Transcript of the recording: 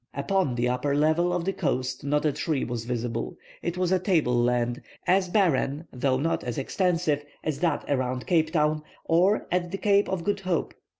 Upon the upper level of the coast not a tree was visible. It was a table land, as barren though not as extensive as that around Cape Town, or at the Cape of Good Hope.